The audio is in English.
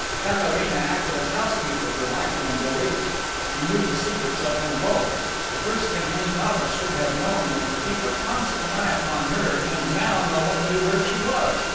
Katharina acted as housekeeper for Michael and Boris. She knew the secrets of them both. The first thing any novice should have known was to keep a constant eye upon her, and now no one knew where she was.